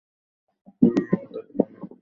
নাও, ওটা খেয়ে নাও।